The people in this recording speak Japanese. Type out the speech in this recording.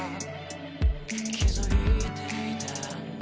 「気づいていたんだ